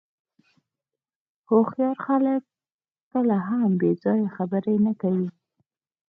هوښیار خلک کله هم بې ځایه خبرې نه کوي.